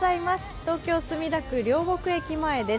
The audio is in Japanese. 東京・墨田区、両国駅前です。